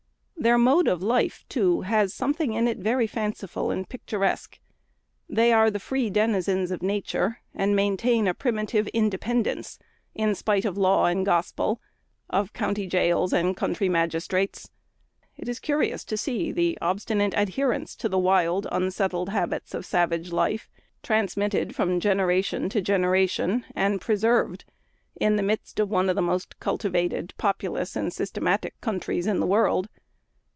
Their mode of life, too, has something in it very fanciful and picturesque. They are the free denizens of nature, and maintain a primitive independence, in spite of law and gospel; of county gaols and country magistrates. It is curious to see the obstinate adherence to the wild, unsettled habits of savage life transmitted from generation to generation, and preserved in the midst of one of the most cultivated, populous, and systematic countries in the world.